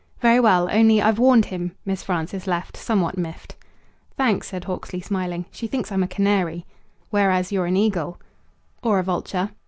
"Very well. Only, I've warned him." Miss Frances left, somewhat miffed. "Thanks," said Hawksley, smiling. "She thinks I'm a canary." "Whereas you're an eagle." "Or a vulture."